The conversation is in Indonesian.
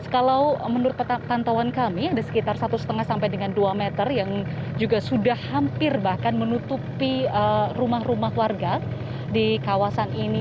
kalau menurut pantauan kami ada sekitar satu lima sampai dengan dua meter yang juga sudah hampir bahkan menutupi rumah rumah warga di kawasan ini